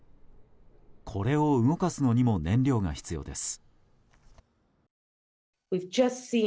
これを動かすのにも燃料が必要です。